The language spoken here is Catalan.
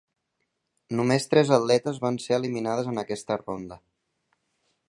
Només tres atletes van ser eliminades en aquesta ronda.